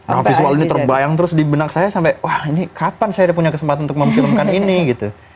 nah visual ini terbayang terus di benak saya sampai wah ini kapan saya punya kesempatan untuk memfilmkan ini gitu